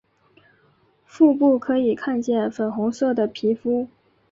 腹部可以看见粉红色的皮肤。